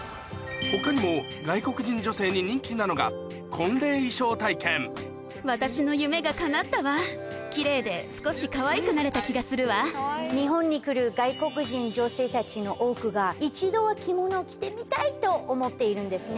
他にも外国人女性に人気なのが日本に来る外国人女性たちの多くが一度は着物を着てみたいと思っているんですね。